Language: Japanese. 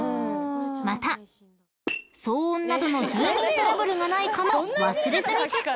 ［また騒音などの住民トラブルがないかも忘れずにチェック］